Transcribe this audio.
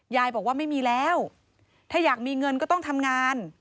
ยายบอกว่าไม่มีแล้วถ้าอยากมีเงินก็ต้องทำงาน